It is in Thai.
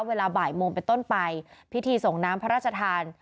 เวลาบ่ายโมงเป็นต้นไปพิธีส่งน้ำพระราชทาน